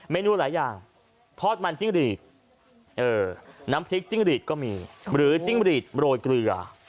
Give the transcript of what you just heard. นูหลายอย่างทอดมันจิ้งหลีดน้ำพริกจิ้งหรีดก็มีหรือจิ้งหรีดโรยเกลือ